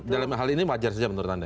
dalam hal ini wajar saja menurut anda